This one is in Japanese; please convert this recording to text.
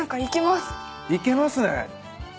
いけますね。